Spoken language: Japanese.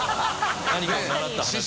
何かを習った話が。